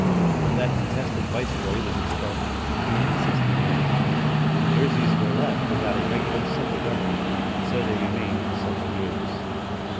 When that detested viceroy was expelled from the country, in 1689, the Jerseys were left without a regular civil government, and so they remained for several years.